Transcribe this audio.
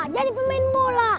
jadi pemain bola